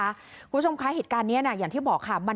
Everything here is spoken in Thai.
คุณผู้ชมคะเหตุการณ์นี้อย่างที่บอกค่ะ